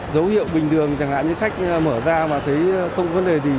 dấu hiệu bình thường chẳng hạn như khách mở ra mà thấy không có vấn đề gì